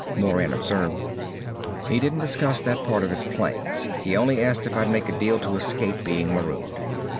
Moran observed; "He didn't discuss that part of his plans. He only asked if I'd make a deal to escape being marooned."